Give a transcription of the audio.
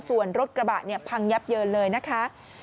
ส่วนรถกระบะเนี่ยพังยับเยินเลยนะคะ